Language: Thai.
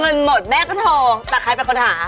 เงินหมดแม่ก็โทรแต่ใครเป็นคนหา